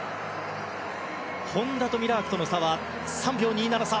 本多とミラークとの差は３秒２７差。